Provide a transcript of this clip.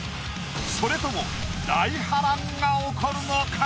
それとも大波乱が起こるのか⁉